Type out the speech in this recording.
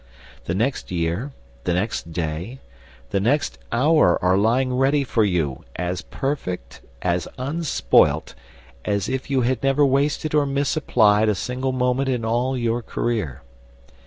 The next year, the next day, the next hour are lying ready for you, as perfect, as unspoilt, as if you had never wasted or misapplied a single moment in all your career.